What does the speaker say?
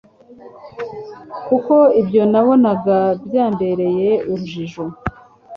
kuko ibyo nabonaga byambereye urujijo